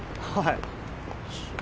はい。